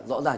dạ vâng ạ